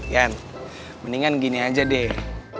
yan mendingan gini aja deh